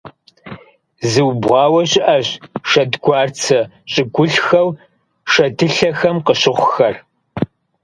Зыубгъуауэ щыӀэщ шэдгуарцэ щӀыгулъхэу шэдылъэхэм къыщыхъухэр.